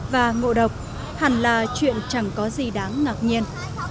và ngộ độc hẳn là chuyện chẳng có gì đáng ngạc nhiên